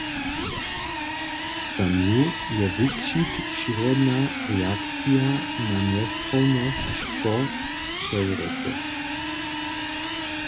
Za nju je wukřik přirodna reakcija na njesprawnosć po přewróće.